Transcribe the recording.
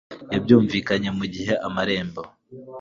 yabyunvikanye mugihe amarembo